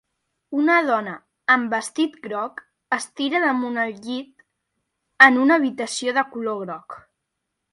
Una dona amb vestit groc es tira damunt el llit en una habitació de color groc.